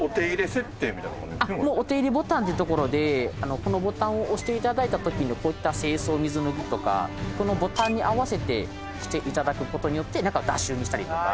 もうお手入れボタンっていうところでこのボタンを押していただいたときのこういった清掃水抜きとかこのボタンに合わせてしていただくことによって中脱臭にしたりとか。